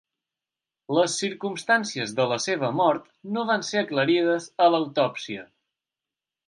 Les circumstàncies de la seva mort no van ser aclarides a l'autòpsia.